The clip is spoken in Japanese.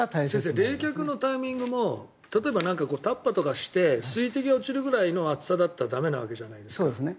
先生、冷却のタイミングもタッパーとかして水滴落ちるくらいの熱さだったら駄目なわけですか。